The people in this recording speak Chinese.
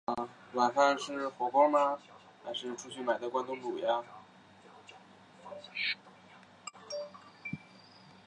可能两人都对倡导此派学说有功。